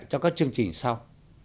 trong các chương trình sau